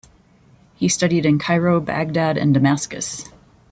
He studied in Cairo, Baghdad and Damascus.